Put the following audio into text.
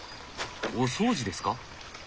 お掃除ですか？